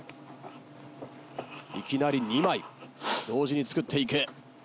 いきなり２枚同時に作っていく。